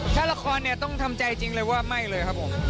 ถ้าละครเนี่ยต้องทำใจจริงเลยว่าไม่เลยครับผม